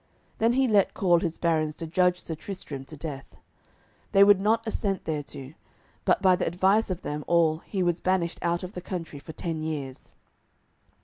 Then he let call his barons to judge Sir Tristram to death. They would not assent thereto, but by the advice of them all he was banished out of the country for ten years.